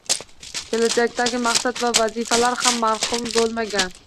Kelajakdagi maqsad va vazifalar ham mavhum bo’lmagan.